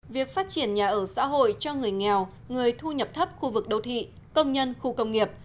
việc phát triển nhà ở xã hội cho người nghèo người thu nhập thấp khu vực đô thị công nhân khu công nghiệp